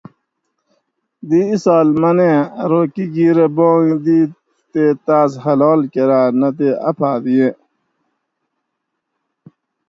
دی اِیسال منیں ارو کِکیرہ بانگ دِیت تے تاۤس حلال کۤراۤ نہ تے آفت ییں